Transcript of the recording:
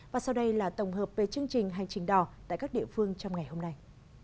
và sau đây là tổng hợp về chương trình hành trình đỏ tại các địa phương trong ngày hôm nay